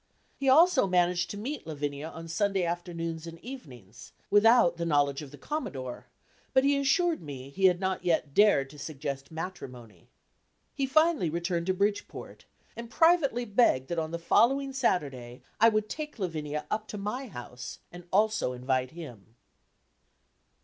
He also managed to meet Lavinia on Sunday afternoons and evenings, without the knowledge of the Commodore; but he assured me he had not yet dared to suggest matrimony. He finally returned to Bridgeport, and privately begged that on the following Saturday I would take Lavinia up to my house, and also invite him.